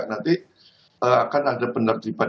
nanti akan ada penertiban